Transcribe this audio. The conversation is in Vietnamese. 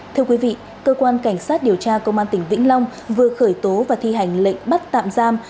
thưa quý vị cơ quan cảnh sát điều tra công an tỉnh vĩnh long vừa khởi tố và thi hành lệnh bắt tạm giam